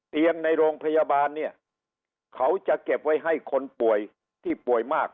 ในโรงพยาบาลเนี่ยเขาจะเก็บไว้ให้คนป่วยที่ป่วยมาก